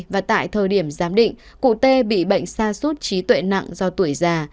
và tại thời điểm giám định cụ t bị bệnh sa sút trí tuệ nặng do tuổi già